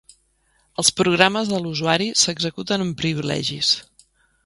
Els programes de l'usuari s'executen amb privilegis